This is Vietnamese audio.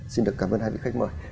xin được cảm ơn hai vị khách mời